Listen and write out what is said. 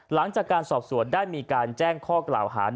หลังจากการสอบสวนได้มีการแจ้งข้อกล่าวหา